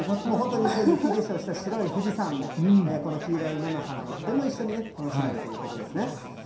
本当に雪化粧した白い富士山も、この黄色い菜の花もとても一緒に楽しめるということですね。